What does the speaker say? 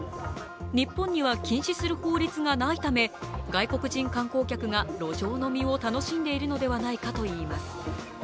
日本には禁止する法律がないため外国人観光客が路上飲みを楽しんでいるのではないかといいます。